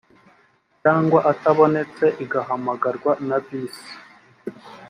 cyangwa atabonetse igahamagarwa na visi